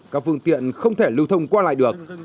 các phương tiện không thể lưu thông qua lại được